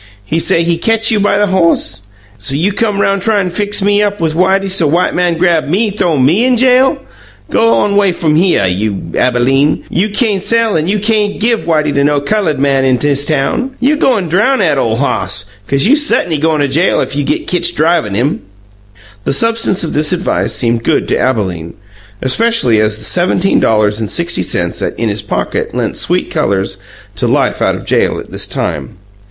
He say he ketch you by the hoss; so you come roun' tryin' fix me up with Whitey so white man grab me, th'ow ME in 'at jail. G'on 'way f'um hyuh, you Abalene! You cain' sell an' you cain' give Whitey to no cullud man 'n 'is town. You go an' drowned 'at ole hoss, 'cause you sutny goin' to jail if you git ketched drivin' him." The substance of this advice seemed good to Abalene, especially as the seventeen dollars and sixty cents in his pocket lent sweet colours to life out of jail at this time.